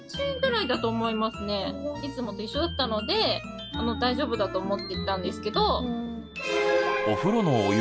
いつもと一緒だったので大丈夫だと思っていたんですけど。